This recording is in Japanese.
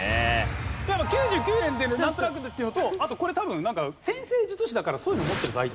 ９９年っていうのでなんとなくっていうのとあとこれ多分占星術師だからそういうの持ってるんです。